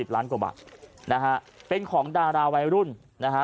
ล้านกว่าบาทนะฮะเป็นของดาราวัยรุ่นนะฮะ